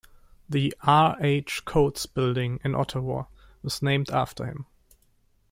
The R. H. Coats Building in Ottawa was named after him.